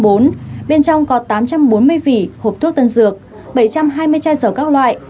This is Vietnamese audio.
bên trong có tám trăm bốn mươi vỉ hộp thuốc tân dược bảy trăm hai mươi chai dầu các loại